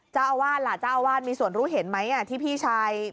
เจ้าอาวาสล่ะเจ้าอาวาสมีส่วนรู้เห็นไหมที่พี่ชาย